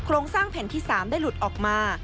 โรงสร้างแผ่นที่๓ได้หลุดออกมา